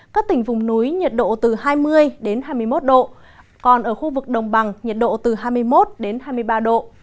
các tỉnh vùng núi nhiệt độ từ hai mươi hai mươi một độ còn ở khu vực đồng bằng nhiệt độ từ hai mươi một đến hai mươi ba độ